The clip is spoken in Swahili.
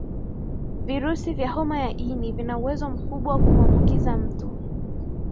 virusi vya homa ya ini vina uwezo mkubwa wa kumuambukiza mtu